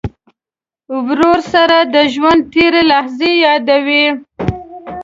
ورور سره د ژوند تېرې لحظې یادوې.